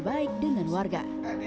baik dengan warga